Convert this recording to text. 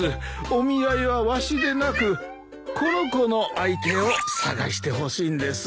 お見合いはわしでなくこの子の相手を探してほしいんです。